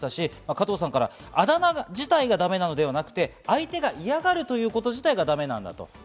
加藤さんからあだ名自体がだめなのではなくて、相手が嫌がるということ自体がだめなんだ。